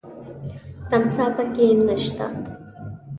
تمساح پکې نه شته .